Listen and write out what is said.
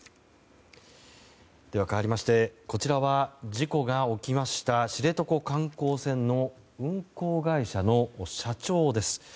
かわりましてこちらは事故が起きました知床観光船の運航会社の社長です。